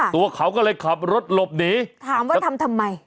ถามว่าทำทำไม